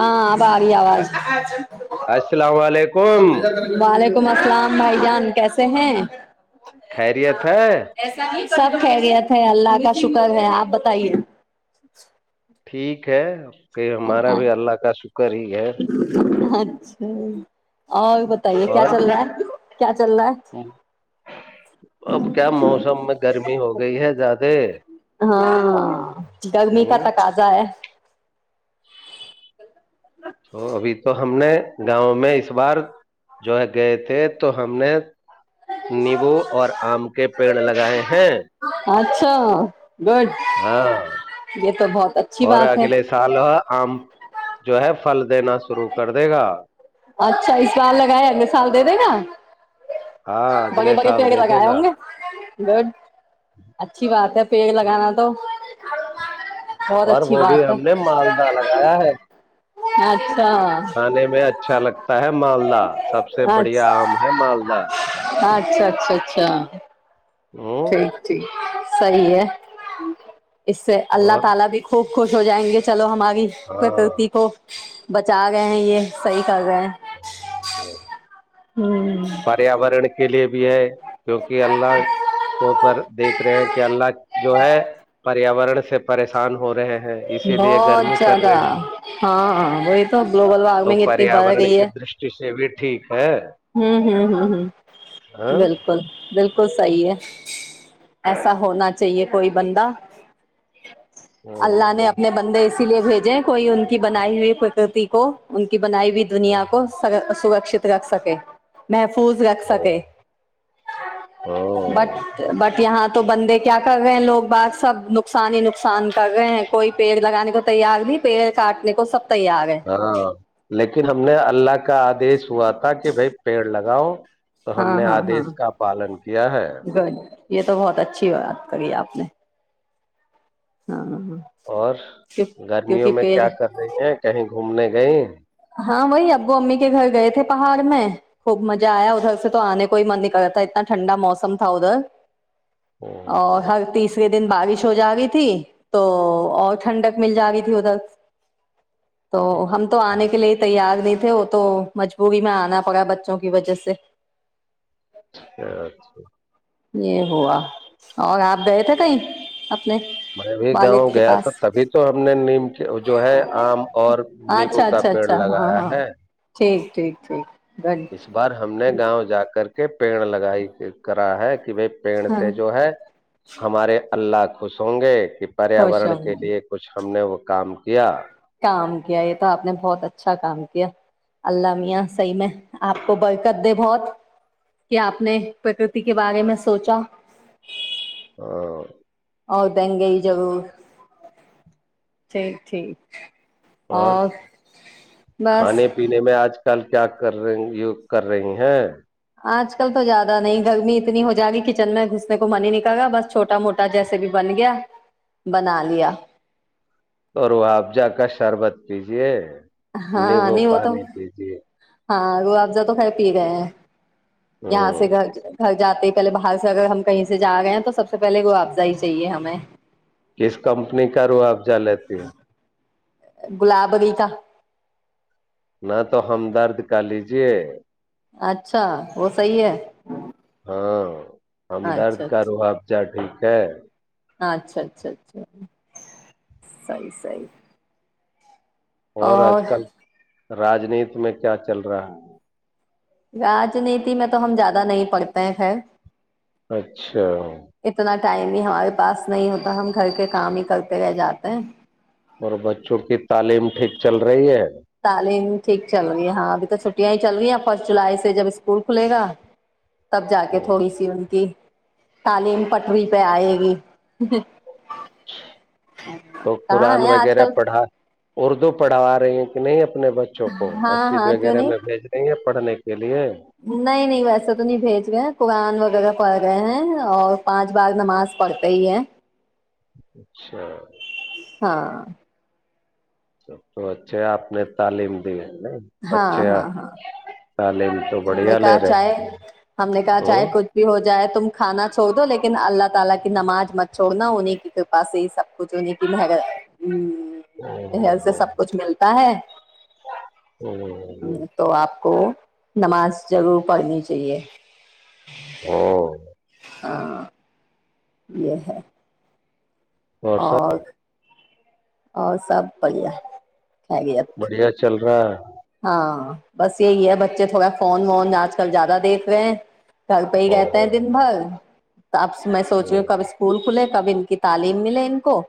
ہاں باری آواز ا- السلام علیکم وال حکم السلام بھائی جان کیسے ہیں خیریت ہے سب خیریت ہے اللہ کا شکر ہے آپ بتائیے ٹھیک ہے کہ ہمارا بھی اللہ کا شکر ہی ہے اچھا ہاں یہ بتائیے کیا اور چل رہا ہے کیا چل رہا ہے اب کیا موسم میں گرمی ہو گئی ہے زیادہ ہاں گرمی کا ہوں تقضا ہے ب تو ابھی تو ہم نے گاؤں میں اس بار جو ہے گئے تھے تو ہم نے نیبو اور آم کے پیڑ لگائے ہیں اچھا گڈ ہاں یہ تو بہت اچھی اور بات ہے اگلے سال آم جو ہے فل دینا شروع کر دے گا اچھا اس بار لگائے اے سال دے دے گا بڑے ہاںگلے بڑے سال پیڑ دے دے لگائے گا ہوں گے گڈ اچھی بات ہے پیڑ لگانا تو بہت اور اچھی وہ بھی بات ہے ہم نے مالدہ لگایا ہے اچھا کھانے میں اچھا لگتا ہے مالدہ سب سے اچھا بڑھیا آم ہے مالدہ اچھا اچھا اچھا ٹھیک ہوں ٹھیک صحی ہے اس سے اللہ اور تعالی بھی خوب خوش ہو جائیں گے چلو ہمارے پت ہاں ت کو بچا گئے ہیں یہ صحیح سغ ہے ہوں پریاورن کے لیے بھی ہے کیوںکہ اللہ کوپ پر دیکھ رہے ہیں کہ اللہ جو ہ ہے پریاورن سے پریشان ہو رہے ہیں اسی لیے بہت گرمی کر زیادہ رہے ہیں ہاں ہاں وہی تو گلوبل وارمنگ اتنی بڑھ گئی ہے سیت ٹھیک ہے ہوں ہوں ہ ہ بالکل ہاں بالکل بالکل صحیح ہے ایسا ہونا چاہیے کوئی بندہ اللہ نے اپنے بندے س لیے بھیجیں کوئی ان کی بنائی ہوئی پرکتی کو ان بنائی ہوئی دنیا کو سگگر سکشت رکھ سکے میںح محفوظ رکھ سکے ہاں بٹ بٹ یہاں تو بندے کیا کر رہے ہیں لوگ بات سب نقصان ہی نقصان کر رہے ہیں کوئی پیڑ لگانے کو تیار نہیں پیڑ کاٹنے کو سب تیار ہے ہاں لیکن ہم نے اللہ کا کہ دش ہوا تھا کہ بھائی پیڑ لگاؤ تو تو ہم ہاں نے ہاں ہاں آدیش کا پالن کیا ہے گڈ یہ تو بہت اچھی بات کری آپ نے ہاں ہاںاں اور گرمیوں میں کیا کر رہی ہیں کہیں گھومنے گئ ہاں وہی ابو امی کے گھر گئے تھے پہاڑ میں خوب مزہ آیا ادھر سے تو آنے کوئی من نہیں کرتا اتنا ٹھنڈا موسم تھا ادھر اور اوہو، ہ تیسری دن بارش ہو جائے گی تو تھی تو اور ٹھنڈک مل جا رہی تھی ادھر تو ہم تو آنے کے لیے تیار نہیں تھے وہ تو مجبوری میں آنا پڑا بچوں کی وجہ سے ا اچھا یہ ہوا اور آپ گئے تھے کہیں اپنے میں بھی گاؤں والد کے گیا تھا پاس تبھی تو ہم نے نی کے جو ہے آم اور نیبو اچھا کا اچھا پیڑ اچھا ہاں لگایا ہاں ہے ٹھیک ٹھیک گڈ اس بار ہم نے گاؤں جا کر کے پیڑ لگائی کرا ہے وہ پیڑ ہاں سے جو ہے ہمارے اللہ خوش ہوں گے کہ خوش پریاورن ہوں کے گی لیے کچھ ہم نے وہ کام کیا کام کیا یہ تو آپ نے بہت اچھا کام کیا اللہ میاں صحیح میں آپ کو برکت دے بہت کہ آپ نے پرکرتی کے بارے میں سوچا ہ اور دیں گئی ج ٹھیک ٹھیک اور بس کھانے پینے میں آج کل کیا کر رہے کر رہی ہیں آج کل تو زیادہ نہیں گرمی اتنی ہو جائے گی کچن میں گھسنے کو من ہی نکل گا بس چھوٹا موٹا جیسے بھی بن گیا بنا لیا اورحافزہ کا شربت کیجے نیبو نہیں پانی دیجیے ہاں وہ آپز تو کھائے پی رہے ہیں یہاں سے ہ گ گ جاتے ہی پہلے باہر سے اگر ہم کہیں سے جا گئے ہیں تو سب سے پہلے معافضہ ہی چاہیے ہمیں کس کمپنی کا رو آب جا لیتی ہیں گلاب اری کا ہ تو ہم درد کر لیجے اچھا وہ صحی ہے ہاں ہمدرد اچھا کا اچھا روحب چڑ ٹھیک ہے اچھا اچھا اچھا سی سی اور آج کل راجنیت میں کیا چل رہا ہے راجنیتی میں تو ہم زیادہ نہیں پڑھتے ہیں خیر اچھا اتنا ٹائم ہی ہمارے پاس نہیں ہوتا ہم گھر کے کام ہی کرتے رہ جاتے ہیں اور بچوں کی تعلیم ٹھیک چل رہی ہے تعلیم ٹھیک چل رہی ہے ہاں ابھی تو چھٹیاں ہی چل رہی ہیں فرسٹ جولائی سے جب اسکول کھلے گا تب جا کے تھوڑی سی ان کی تالم پٹری پہئےآئے گی تو قرآن کہاں ہے آج وغیرہ کل پڑھا اردو پڑھوا رہی ہیں نہیں اپنے بچوں کو ہاں مسجد ہاں کیوں وغیرہ نہیں میں بھیج رہں گے پڑنے کے لیے نہیں نہیں ویسا تو نہیں بھیج رہے کورآان وغیرہ پڑھ رہے ہیں اور پانچ بار نماز پڑھتے ہی ہیں اچھا ہاں سب تو اچھے آپ نے تعلیم دیے نہیں ہاں بچھے ہاں ہاں تعلیم تو ہم نے بڑھیا کہا لے رہے چاہے ہم نے کہا چاہے ہوں کچھ بھی ہو جائے تم کھانا چھو دو لیکن اللہ تعالی کی نماز مت چھوڑنا انہی کی کرپا سے سب کچھ ہو کی مہگا نہل سے ہ سب کچھ مل کا ہے [unintelligible] ہ تو آپ کو نماز جرور پڑھنی چاہیے ہاں [unintelligible] ہاں یہ ہے اور اور سب بڑیا خیر یت بڑھیا چل رہا ہے ہاں بس یہی ہے بچے تھوڑا فون وون آج کل زیادہ دیکھ رہے ہیں کل پ ہی کہتے ہیں دن بھر اب میں سوچی ہ ہوں کب اسکول کھلے کب ان کی تعلیم ملے ان کو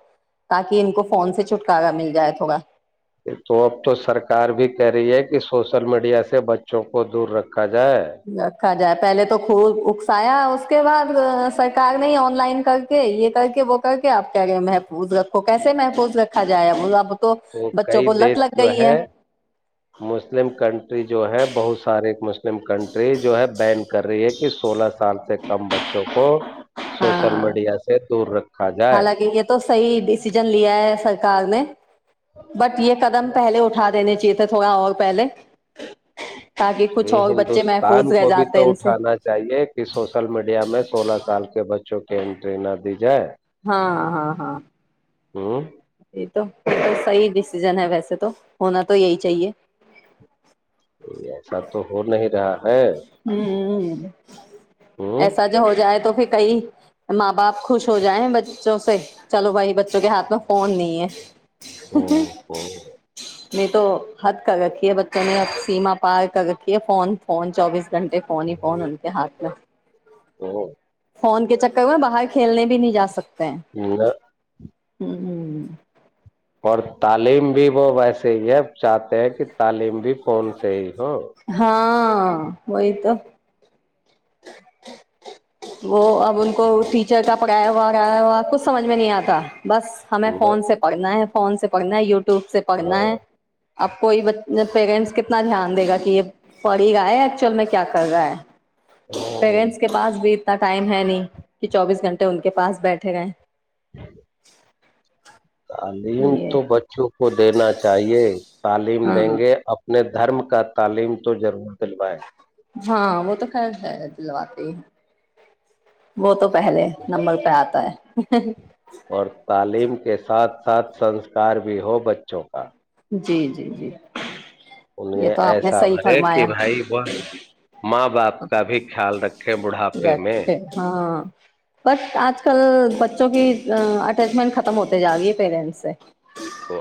تاکہ ان کو فون سے چھٹکارا مل جائے ہوگا تو اب تو سرکار بھی کہہ رہی ہے کہ سوشل میڈیا سے بچوں کو دور رکھ ریکھا جائے رکھا جائے پہلے تو خوب اکسایا اس کے بعد سرکار نے آن لائن کرکے یہ کرکے وہ کرکے اب کہہ رہے ہیں محفوظ رکھو کیسے محفوظ رکھا جائے تو بچوں کئی کو لت دیش لگ جو گئی ہے مسلم کنٹری جو ہے بہت سارے مسلم مسلم کنٹری جو ہے بین کر رہی ہے کہ سولہ سال سے کم بچوں کو سوشل ہاں میڈیا سے دور رکھا جائے حالانکہ یہ تو صحیح ڈسیژن لیا ہے سرکار نے بٹ یہ قدم پہلے اٹھا دینے چاہیے یہ تھا تھوڑا اور پہلے تاکہ کچھ یہ اور بچے ہندوستان محفوظ رہ کو بھی جاتے تو ہیں ان سے اٹھانا چاہیے کہ سوشل میڈیا میں سولہ سال کے بچے چوں کی اینٹری نہ دی جائے ہاں ہاں ہاں ہمم یہ تو یہ تو صحیح ڈسیژن ہے ویسے تو ہونا تو یہی چاہیے ایسا تو ہو نہیں رہا ہے ہمم ہ ایسا جو ہو جائے تو پھر کئی ماں باپ خوش ہو جائیں بچوں سے چلو بھائی بچوں کے ہاتھ میں فون نہیں ہے نہیں تو حد کر رکھی ہے بچوں نے سیما پار کر رکھی ہے فون فون چوبیس گھنٹے فون ہی فون ان کے ہاتھ میں فون کے چکر میں باہر کھیلنے بھی نہیں جاسکتے نہ ہمم تعلیم بھی وہ ویسے ہی اب چاہتے ہیں کہ تعلیم بھی فون سے ہی ہو ہاں ہاں وہی تو وہ اب ان کو ٹیچر کا پڑھایا ہوا وغیرہ ہوا کچھ سمجھ میں نہیں آتا بس ہمیں فون سے پڑھنا ہے فون سے پڑھنا ہے یو ٹیوب سے پڑھنا ہے ہاں اب کوئی بچ پیرنٹس کتنا دھیان دے گا کہ یہ پڑھ ہی رہا ہے ایکچول میں کیا کر رہا ہے پیرنٹس کے پاس بھی اتنا ٹائم ہے نہیں کہ چوبیس گھنٹے ان کے پاس بیٹھے گئے تعلیم تو یہ بچوں کو دینا چاہیے تعلیم ہاں دیں گے اپنے دھرم کا تعلیم تو ضرور دلوائے ہاں وہ تو خیر ہے دلواتے ہی وہ تو پہلے نمبر پہ آتا ہے اور تعلیم کو کے ساتھ ساتھ سنسکار بھی ہو بچوں کا جی جی جی ان یہ میں تو آپ نے ایسا صحیح بھرے کہ فرمایا بھائی بس ماں آپ کا بھی خیال رکھیں بڑھاپے میں جٹے ہاں بٹ آج کل بچوں کی اٹیچمنٹ ختم ہوتے جا رہی ہے پیرنٹس سے تو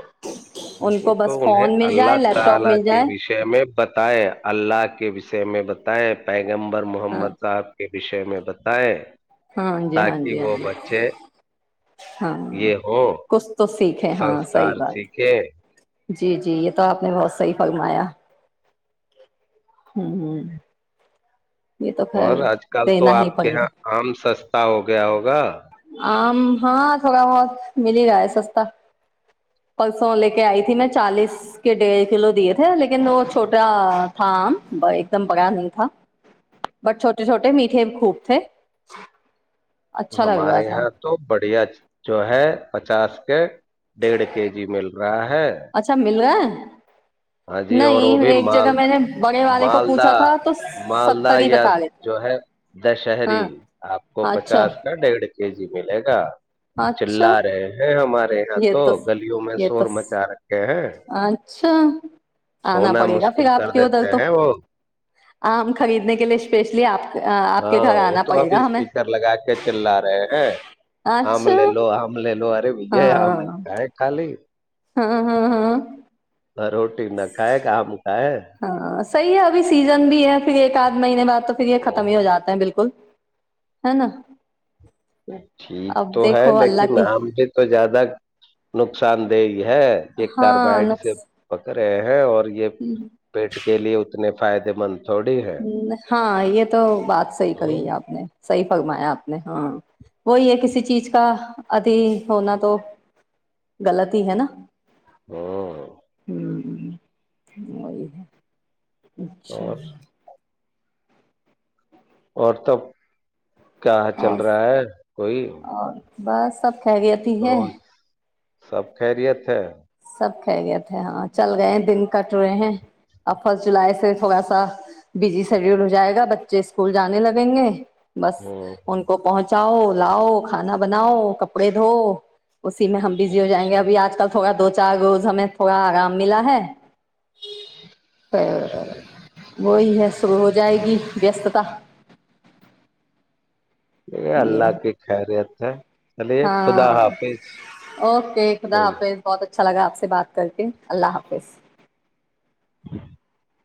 ان نہیں کو تو بس انہیں فون مل جائے اللہ لیپ ٹاپ تعالی مل کے جائے وشے میں ب اللہ کے وشے میں بتائے پیک پیمبر ہاں محمد صاحب کے وشے میں بتائیں ہاں جی ہاں تاکہ جی ہاں وہ جی بچے ہاں یہ ہو کچھ تو سیکھے ہاں سنسکار صحیح بات سیکھیں جی جی یہ تو آپ نے بہت صحیح فرمایا ہ ہ یہ تو خیر اور آج کل تو دینا ہی آپ کے پڑے یہاں گا آم سستا ہو گیا ہوگا آم ہاں تھوڑا بہت مل ہی رہا ہے سستا پرسوں لے کے آئی تھی میں چالیس کے ڈیڑھ کلو دیے تھے لیکن وہ چھوٹا تھا آم ایک دم پکا نہیں تھا بٹ چھوٹے چھوٹے میٹھے خوب تھے اچھا لگا ہمارے یہاں تو بڑھیا جو ہے پچاس کے ڈیڑھ کے جی مل رہا ہے اچھا مل رہا ہے ہاں جی اور وہ نہیں بھی ایک جگہ میں مالدہ نے بڑے والے کو مالدہ پوچھا تھا تو مالدہ ستر ہی یا بتا رہے تھے جو ہے دشہری ہاں آپ کو اچھا پچاس کا ڈیھ کے جی ملے گا چلا اچھا رہے ہیں ہمارے تو گلیوں میں یہ تو شور مچا رکھے ہیں اچھا آنا سونا پڑے گا پھر مشکل کر آپ کے ادھر دیتے تو ہیں وہ آم خریدنے کے لیے اسپیشلی آپ آپ کے ہاں گھر وہ آنا تو پڑے ابھی گا ہمیں اسپیکر لگا کے چل لا رہے ہیں آم اچھا لے لو آم لے لو ارے وجے آام ہاں گائے کل ج ہاں ہاں ہاں روٹی نہ کائے کہ کیا ہے ہاں صحیح ہے ابھی سیزن بھی ہے پھر ایک آدھ مہینے بعد تو پھر یہ ختم ہی ہو ہوں، جاتا ہے بالکل ہے نا ٹھیک اب تو ہے دیکھو لیکن اللہ کی آم بھی تو زیادہ نقصان دہ ہے کہ ہاں کاربوائڈ سے نقص پکڑ ہے اور یہ پیٹ کے لیے اتنے فائدے مند تھوڑی ہے ہ ہاں یہ تو بات صحی ہ کری ہے آپ نے صحیح فرمایا آپ نے ہاں وہی ہے کسی چیز کا ادھی ہونا تو غلط ہی ہے نا ہوں اور ہ وہ ہے اچھا اور توب کیا چل رہا ہے کوئی بسب کا گیا ت ہے روز سب خیریت ہے سب کہہ گئے تھے ہاں چل گئے ہیں دن کٹ رہے ہیں اب فرسٹ جولائی سے تھوڑا سا بزی سرول ہو جائے گا ب بچے اسکول جانے لگیں گے بس ہ ان کو پہنچ چاؤ لاؤ کھانا بناؤ کپڑے دھو اسی میں ہم بزی ہو جائیں اچھا گےبھی آج کل تھوڑا جگوز ہمیں تھوڑا آرام ملا ہے ہ وہی ہے شروع ہو جائے گی وستتا یہ اللہ کی خیریت ہے چلیے ہاں خدا حافظ اورک ایک تھا آ کوئی پ بہت اچھ اچھا لگا آپ سے بات کر کے اللہ حافظ ہ